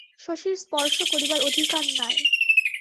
শশীর স্পর্শ করিবার অধিকার নাই!